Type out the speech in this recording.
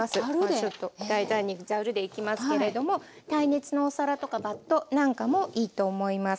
ちょっと大胆にざるでいきますけれども耐熱のお皿とかバットなんかもいいと思います。